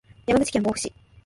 山口県防府市